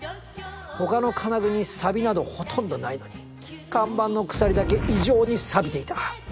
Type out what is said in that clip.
他の金具に錆びなどほとんどないのに看板の鎖だけ異常に錆びていた。